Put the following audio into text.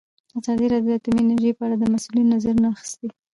ازادي راډیو د اټومي انرژي په اړه د مسؤلینو نظرونه اخیستي.